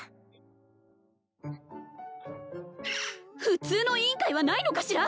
普通の委員会はないのかしら！？